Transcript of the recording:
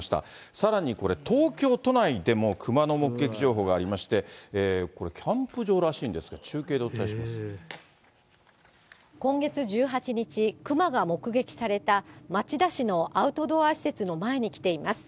さらにこれ、東京都内でもクマの目撃情報がありまして、これ、キャンプ場らし今月１８日、クマが目撃された町田市のアウトドア施設の前に来ています。